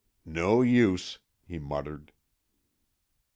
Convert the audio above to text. "No use," he muttered.